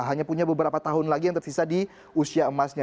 hanya punya beberapa tahun lagi yang tersisa di usia emasnya